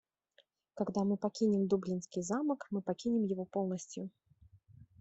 Когда мы покинем Дублинский замок, мы покинем его полностью.